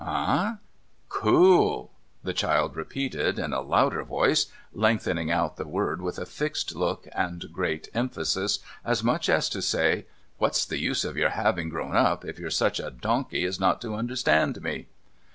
' Eh ?'' Co o ol,' the child repeated in a louder voice, lengthening out the word with a fixed look and great emphasis, as much as to say :' What's the use of your having grown uj), if you're such a donkey as not to understand me